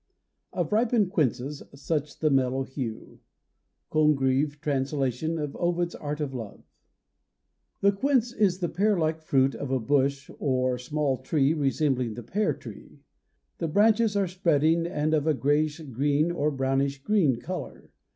Of ripened quinces such the mellow hue. Congreve Translation, of Ovid's Art of Love. The quince is the pear like fruit of a bush or small tree resembling the pear tree. The branches are spreading and of a grayish green or brownish green color.